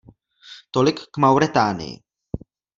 Tolik k Mauretánii.